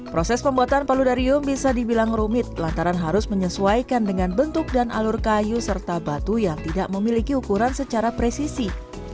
proses pembuatan paludarium bisa dibilang rumit lantaran harus menyesuaikan dengan bentuk dan alur kayu serta batu yang tidak memiliki ukuran secara presisi